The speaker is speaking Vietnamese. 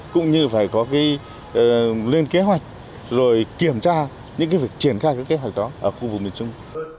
cũng như phải có lên kế hoạch rồi kiểm tra những việc triển khai kế hoạch đó ở khu vực miền trung